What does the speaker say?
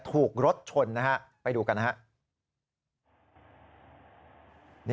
ถูกรถชนไปดูกัน